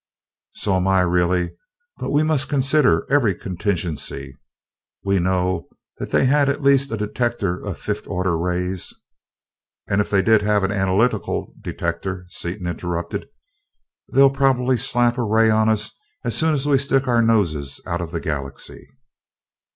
"So am I, really, but we must consider every contingency. We know that they had at least a detector of fifth order rays...." "And if they did have an analytical detector," Seaton interrupted, "they'll probably slap a ray on us as soon as we stick our nose out of the Galaxy!"